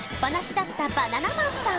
だったバナナマンさん